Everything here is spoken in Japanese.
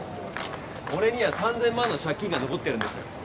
俺には３，０００万の借金が残ってるんです。